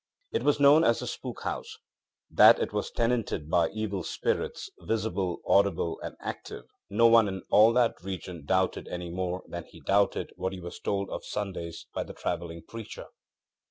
It was known as the ŌĆ£Spook House.ŌĆØ That it was tenanted by evil spirits, visible, audible and active, no one in all that region doubted any more than he doubted what he was told of Sundays by the traveling preacher.